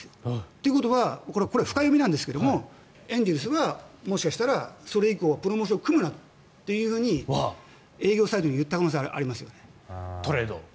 ということはこれ深読みなんですけどエンゼルスがもしかしたらそれ以降はプロモーションを組むなと営業に言った可能性があります。